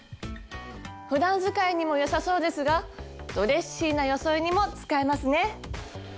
ふだん使いにも良さそうですがドレッシーな装いにも使えますね。